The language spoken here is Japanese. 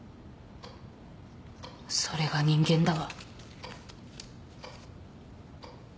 それが人間だわ。